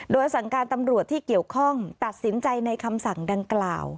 โดยสั่งการตำรวจที่เกี่ยวข้องตัดสินใจในคำสั่งดังกล่าว